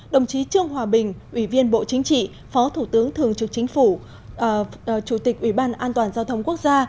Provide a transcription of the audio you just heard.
đồng chí trương hòa bình ủy viên bộ chính trị phó thủ tướng thường trực chính phủ chủ tịch ủy ban an toàn giao thông quốc gia